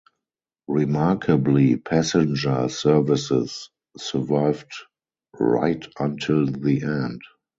Remarkably, passenger services survived right until the end.